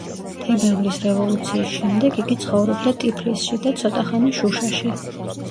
თებერვლის რევოლუციის შემდეგ, იგი ცხოვრობდა ტიფლისში და ცოტა ხანი შუშაში.